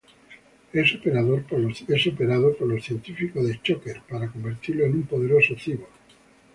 Es operado por los científicos de Shocker, para convertirlo en un poderoso cyborg.